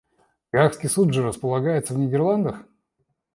Гаагский Суд же располагается в Нидерландах?